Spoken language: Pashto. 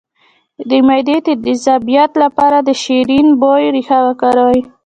د معدې د تیزابیت لپاره د شیرین بویې ریښه وکاروئ